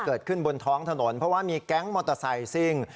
เกิดขึ้นบนท้องถนนเพราะว่ามีแก๊งมอเตอร์ไซซิ่ง